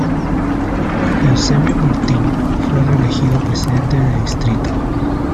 Eusebio Martin fue reelegido presidente de distrito.